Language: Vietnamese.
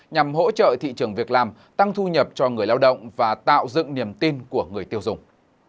nhằm hỗ trợ thị trường việc làm tăng thu nhập cho người lao động và tạo dựng niềm tin của người tiêu dùng